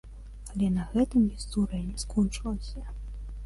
Але на гэтым гісторыя не скончылася.